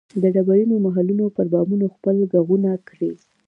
د ډبرینو محلونو پر بامونو خپل ږغونه کري